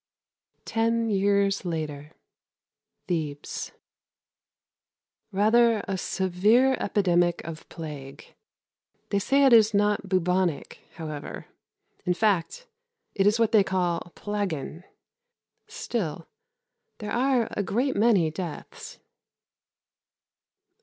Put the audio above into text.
(Ten years later) Thebes. Rather a severe epidemic of plague. They say it is not bubonic, however. In fact, it is what they call plagueen. Still, there are a great many deaths.